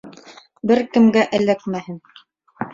Бер кемгә эләкмәһен!